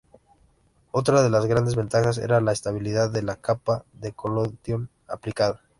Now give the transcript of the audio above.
Otra de las grandes ventajas era la estabilidad de la capa de colodión aplicada.